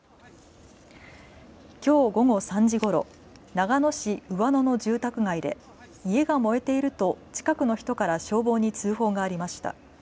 きょう午後３時ごろ、長野市上野の住宅街で家が燃えていると近くの人から消防に通報がありました。